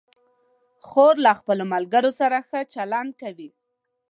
خور له خپلو ملګرو سره ښه چلند کوي.